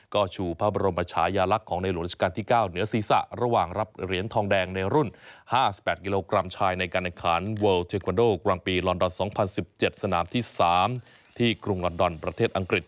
ก็ชูพระบรมชายาลักษณ์ของในหลวงราชการที่๙เหนือศีรษะระหว่างรับเหรียญทองแดงในรุ่น๕๘กิโลกรัมชายในการแข่งขันเวิลเทควันโดกลางปีลอนดอน๒๐๑๗สนามที่๓ที่กรุงลอนดอนประเทศอังกฤษ